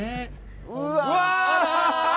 うわ！